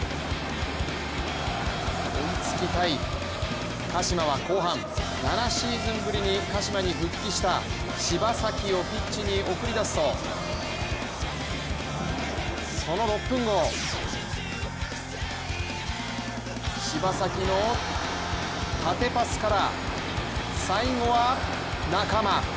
追いつきたい鹿島は後半７シーズンぶりに、鹿島に復帰した柴崎をピッチに送り出すとその６分後柴崎の縦パスから、最後は仲間。